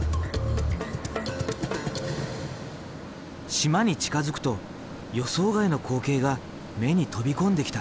島に近づくと予想外の光景が目に飛び込んできた。